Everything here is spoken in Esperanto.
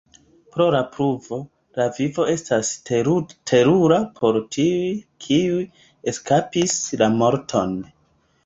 Pro la pluvo, la vivo estas terura por tiuj kiuj eskapis la morton.